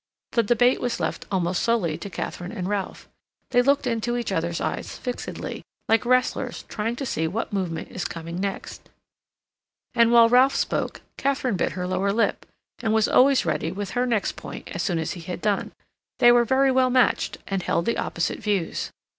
The debate was left almost solely to Katharine and Ralph. They looked into each other's eyes fixedly, like wrestlers trying to see what movement is coming next, and while Ralph spoke, Katharine bit her lower lip, and was always ready with her next point as soon as he had done. They were very well matched, and held the opposite views.